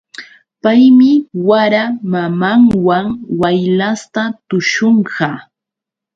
Paymi wara mamanwan waylasta tuśhunqa.